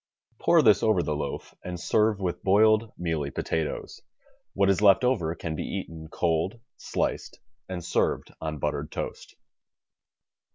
Pour this over the loaf and serve with boiled mealy potatoes. What is left over can be eaten cold, sliced and served on buttered, toast.